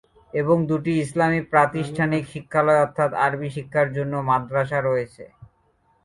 এবং দুইটি ইসলামি প্রাতিষ্ঠানিক শিক্ষালয় অর্থাৎ আরবি শিক্ষার জন্য মাদ্রাসা রয়েছে।